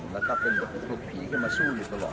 แล้วก็เป็นกลุ่มผีขึ้นมาสู้อยู่ตลอด